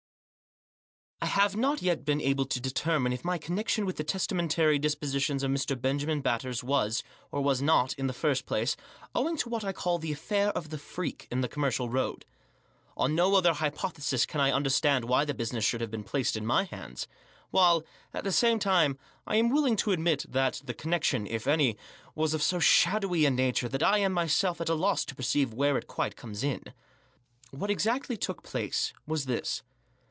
I HAVE not yet been able to determine if my connec tion with the testamentary dispositions of Mr. Ben jamin Batters was or was not, in the first place, owing to what I call the Affair of the Freak in the Commer cial Road. On no other hypothesis can I understand why the business should have been placed in my hands. While, at the same time, I am willing to admit that the connection, if any, was of so shadowy a nature that I am myself at a loss to perceive where it quite comes in. What exactly took place was this.